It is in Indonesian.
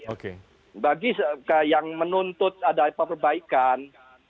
oke bagi yang menuntut ada perbaikan